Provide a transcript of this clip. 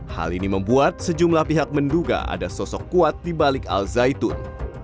hal ini membuat sejumlah pihak menduga ada sosok kuat di balik al zaitun